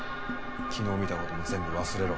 昨日見た事も全部忘れろ。